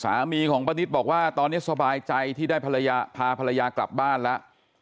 สามีของป้านิตบอกว่าตอนนี้สบายใจที่ได้ภรรยาพาภรรยากลับบ้านแล้ว